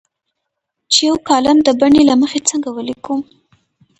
چې یو کالم د بڼې له مخې څنګه ولیکو.